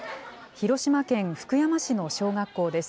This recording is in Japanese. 広島県福山市の小学校です。